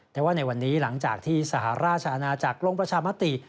แต่ว่าในวันนี้หลังจากที่สหราชอาณาจักรลงประชามติ